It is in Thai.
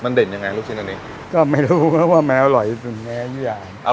มันเด่นยังไงลูกชิ้นอันนี้ก็ไม่รู้ว่ามันอร่อยที่สุดในนายุทยา